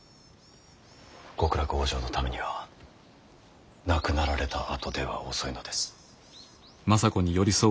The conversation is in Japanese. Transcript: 極楽往生のためには亡くなられたあとでは遅いのです。